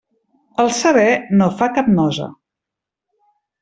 El saber no fa cap nosa.